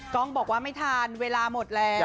กล้องบอกว่าไม่ทันเวลาหมดแล้ว